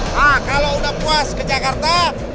nah kalau udah puas ke jakarta